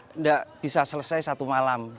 tidak bisa selesai satu malam